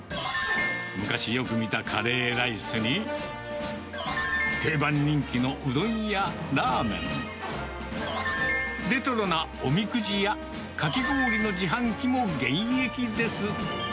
昔よく見たカレーライスに、定番人気のうどんやラーメン、レトロなおみくじや、かき氷の自販機も現役です。